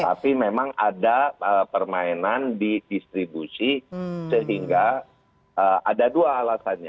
tapi memang ada permainan di distribusi sehingga ada dua alasannya